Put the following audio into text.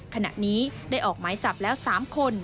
ขณะนี้ได้ออกไม้จับแล้วสามคน